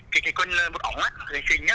cái con bút ống á cái xình á